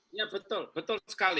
iya betul betul sekali